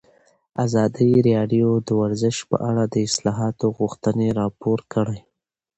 ازادي راډیو د ورزش په اړه د اصلاحاتو غوښتنې راپور کړې.